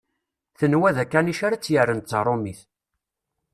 Tenwa d akanic ara tt-yerren d taṛumit.